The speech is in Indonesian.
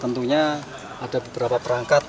tentunya ada beberapa perangkat